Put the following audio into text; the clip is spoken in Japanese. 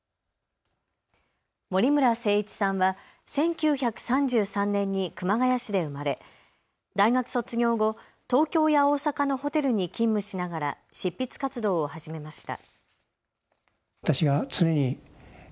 森村誠一さんは１９３３年に熊谷市で生まれ大学卒業後、東京や大阪のホテルに勤務しながら執筆活動を始めました。